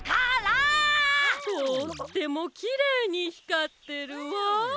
とってもきれいにひかってるわ。